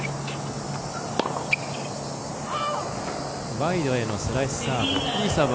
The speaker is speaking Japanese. ワイドへのスライスサーブ。